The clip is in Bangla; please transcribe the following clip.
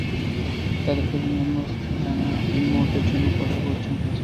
তাদেরকেও বিনম্র শ্রদ্ধা যারা এই মুহূর্তটার জন্য কঠোর পরিশ্রম করেছেন।